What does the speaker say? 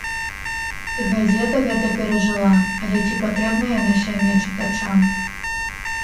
Газета гэта перажыла, але ці патрэбна яна сёння чытачам?